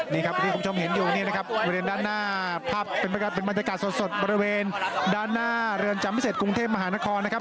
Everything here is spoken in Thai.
นี่ครับที่คุณผู้ชมเห็นอยู่นี่นะครับบริเวณด้านหน้าภาพเป็นบรรยากาศสดบริเวณด้านหน้าเรือนจำพิเศษกรุงเทพมหานครนะครับ